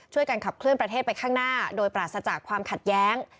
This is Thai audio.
การขับเคลื่อนประเทศไปข้างหน้าโดยปราศจากความขัดแย้ง